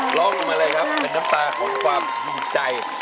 ร้องลงมาเลยครับเป็นน้ำตาของความดีใจ